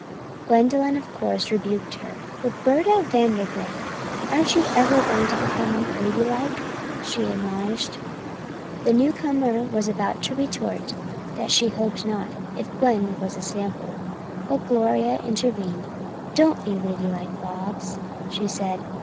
Gwendolyn, of course, rebuked her. "Roberta Vandergrift, aren't you ever going to become ladylike?" she admonished. The newcomer was about to retort that she hoped not if Gwen was a sample, but Gloria intervened. "Don't be ladylike, Bobs," she said.